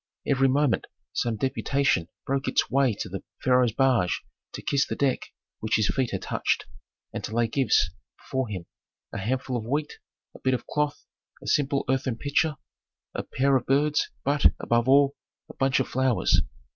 Every moment some deputation broke its way to the pharaoh's barge to kiss the deck which his feet had touched, and to lay gifts before him: a handful of wheat, a bit of cloth, a simple earthen pitcher, a pair of birds, but, above all, a bunch of flowers.